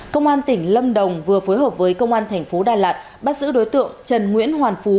công an tỉnh lâm đồng vừa phối hợp với công an thành phố đà lạt bắt giữ đối tượng trần nguyễn hoàn phú